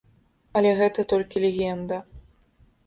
Але гэта толькі легенда.